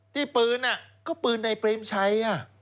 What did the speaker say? ที่ปืนก็ปืนนายเปรมชัย